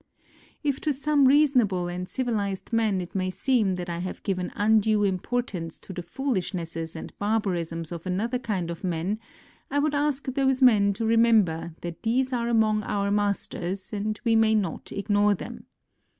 If to some reasonable and civilised men it may seem that I have given undue importance to the foolishnesses and barbarisms of another kind of men, I would ask those men to remember that these are among our masters and we may not ignore them.